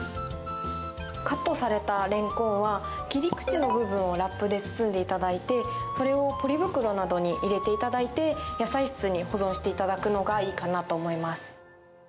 カットされたレンコンは切り口の部分をラップで包んでいただいてそれをポリ袋などに入れていただいて野菜室に保存していただくのがいいかなと思います。